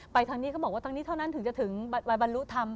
ทางนี้เขาบอกว่าทางนี้เท่านั้นถึงจะถึงวันบรรลุธรรม